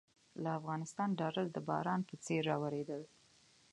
له افغانستانه ډالر د باران په څېر رااورېدل.